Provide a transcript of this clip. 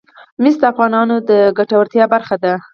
مس د افغانانو د ګټورتیا برخه ده.